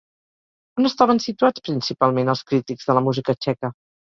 On estaven situats principalment els crítics de la música txeca?